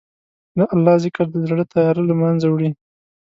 د الله ذکر د زړه تیاره له منځه وړي.